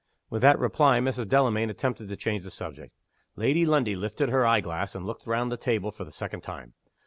With that reply Mrs. Delamayn attempted to change the subject. Lady Lundie lifted her eye glass, and looked round the tables for the second time.